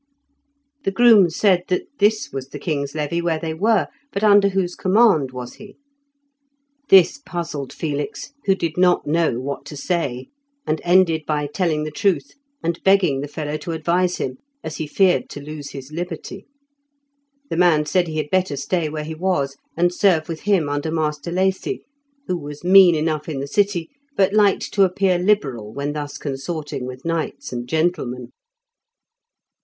The groom said that this was the king's levy where they were; but under whose command was he? This puzzled Felix, who did not know what to say, and ended by telling the truth, and begging the fellow to advise him, as he feared to lose his liberty. The man said he had better stay where he was, and serve with him under Master Lacy, who was mean enough in the city, but liked to appear liberal when thus consorting with knights and gentlemen.